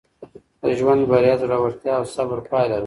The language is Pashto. د ژوند بریا د زړورتیا او صبر پایله ده.